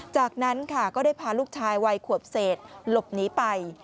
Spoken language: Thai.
จากนั้นค่ะก็ได้พาลูกชายวัยขวบเศษหลบหนีไป